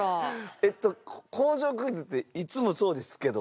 えっと工場クイズっていつもそうですけど。